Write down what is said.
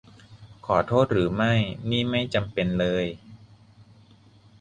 ขอโทษหรือไม่นี่ไม่จำเป็นเลย